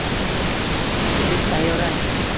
«Tirik sayyora»